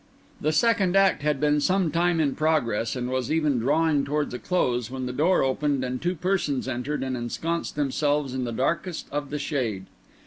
The second act had been some time in progress, and was even drawing towards a close, when the door opened and two persons entered and ensconced themselves in the darkest of the shade.